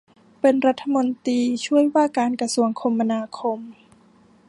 เป็นรัฐมนตรีช่วยว่าการกระทรวงคมนาคม